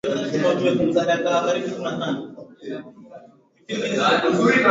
mto kimani na mto chimala imeungana kuunda mto ruaha